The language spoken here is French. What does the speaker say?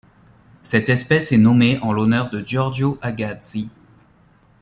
Cette espèce est nommée en l'honneur de Giorgio Agazzi.